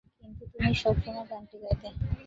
কিন্তু তুমি সবসময় গানটি গাইতে।